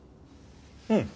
うん。